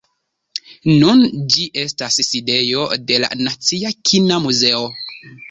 Nun ĝi estas sidejo de la nacia kina muzeo.